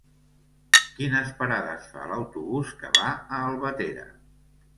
Quines parades fa l'autobús que va a Albatera?